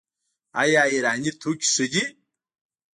آیا ایراني توکي ښه دي؟